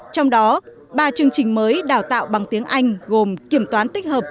trong đó ba chương trình mới đào tạo bằng tiếng anh gồm kiểm toán tích hợp